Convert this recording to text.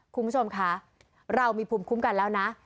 คุณผู้ชมคะเรามีภูมิคุ้มกันแล้วนะ